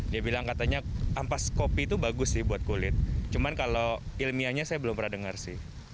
dia bilang katanya ampas kopi itu bagus sih buat kulit cuman kalau ilmiahnya saya belum pernah dengar sih